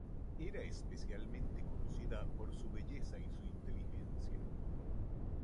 Era especialmente conocida por su belleza y su inteligencia.